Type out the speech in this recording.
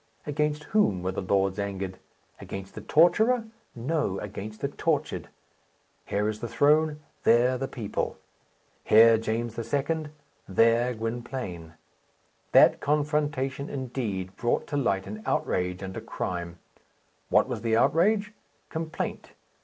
Against whom were the lords angered? Against the torturer? No; against the tortured. Here is the throne; there, the people. Here, James II.; there, Gwynplaine. That confrontation, indeed, brought to light an outrage and a crime. What was the outrage? Complaint.